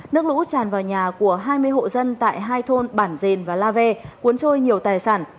nước lũ tràn vào nhà của hai mươi hộ dân tại hai thôn bản dền và la ve cuốn trôi nhiều tài sản